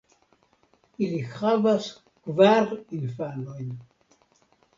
Ili havas kvar infanojn.